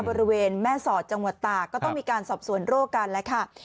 บริเวณแม่สอดจังหวัดตากก็ต้องมีการสอบสวนโรคกันแล้วค่ะ